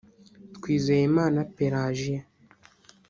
Twizeyimana Pelagie